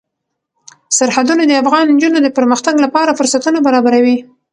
سرحدونه د افغان نجونو د پرمختګ لپاره فرصتونه برابروي.